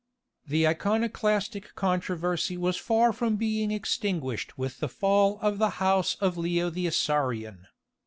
The Iconoclastic controversy was far from being extinguished with the fall of the house of Leo the Isaurian.